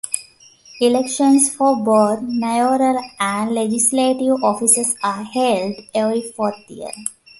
Elections for both mayoral and legislative offices are held every fourth year.